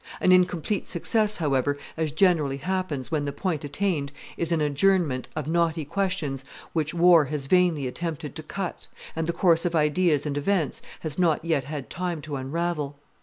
An incomplete success, however, as generally. happens when the point attained is an adjournment of knotty questions which war has vainly attempted to cut, and the course of ideas and events has not yet had time to unravel.